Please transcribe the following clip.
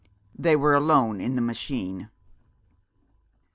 They were alone in the machine.